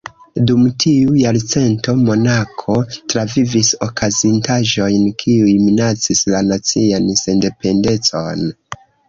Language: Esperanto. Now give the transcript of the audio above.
Dum tiu jarcento, Monako travivis okazintaĵojn kiuj minacis la nacian sendependecon.